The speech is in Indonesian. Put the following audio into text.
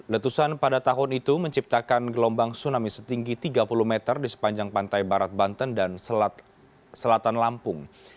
letusan pada tahun itu menciptakan gelombang tsunami setinggi tiga puluh meter di sepanjang pantai barat banten dan selatan lampung